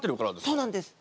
そうなんです。